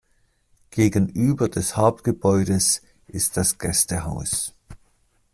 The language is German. Gegenüber des Hauptgebäudes ist das Gästehaus.